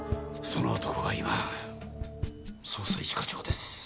その男が今捜査一課長です。